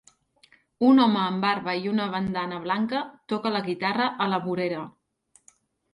Un home amb barba i una bandana blanca toca la guitarra a la vorera.